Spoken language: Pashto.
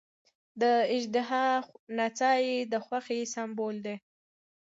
د اژدها نڅا یې د خوښۍ سمبول دی.